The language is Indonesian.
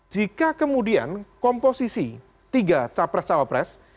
jika kemudian komposisi tiga capres cawapres